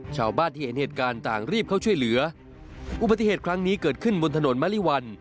ชาวบ้านที่เห็นเหตุการณ์ต่างรีบเข้าช่วยเหลืออุบัติเหตุครั้งนี้เกิดขึ้นบนถนนมะลิวัล